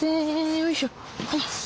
よいしょ。